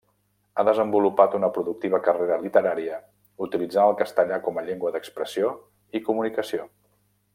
Ha desenvolupat una productiva carrera literària utilitzant el castellà com a llengua d'expressió i comunicació.